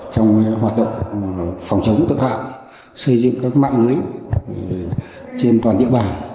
trong hoạt động phòng chống tập hạng xây dựng các mạng lưới trên toàn địa bàn